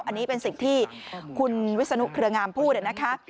อันนี้เป็นสิ่งที่คุณวิศนุเครืองามพูดนะคะ